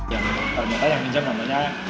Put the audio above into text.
yang ternyata yang pinjam namanya